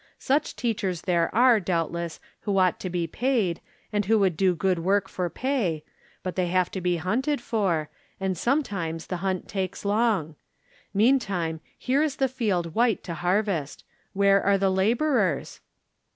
Such teachers there are, doubtless, who ought to be paid, and who would do good work for pay, but they have to be hunted for, and sometimes the hunt takes long. Mean time here is the field white to harvest. "Where are the laborers